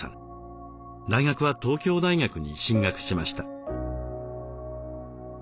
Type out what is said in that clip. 大学は東京大学に進学しました。